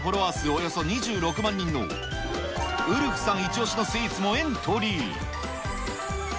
およそ２６万人のウルフさんイチオシのスイーツもエントリー。